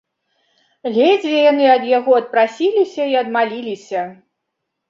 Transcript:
Ледзьве яны ад яго адпрасіліся і адмаліліся.